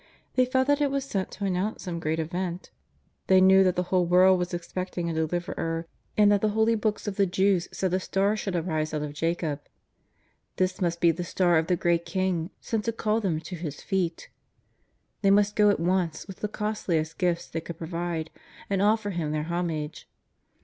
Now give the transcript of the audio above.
They felt that it was sent to announce some great event. They knew that the whole world was expecting a De liverer, and that the holy books of the Jews said a star should arise out of Jacob. This must be the star of the great King, sent to call them to His feet. They must go at once with the costliest gifts they could pro vide and offer Him their homage.